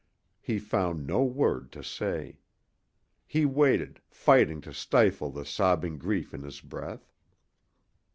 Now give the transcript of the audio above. He found no word to say. He waited, fighting to stifle the sobbing grief in his breath.